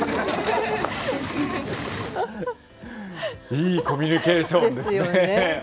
いいコミュニケーションですね。